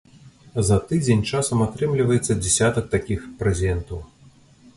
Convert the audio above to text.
За тыдзень часам атрымліваецца дзясятак такіх прэзентаў.